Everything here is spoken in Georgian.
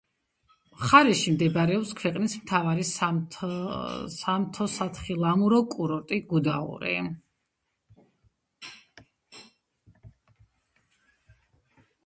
მხარეში მდებარეობს ქვეყნის მთავარი სამთო-სათხილამურო კურორტი გუდაური.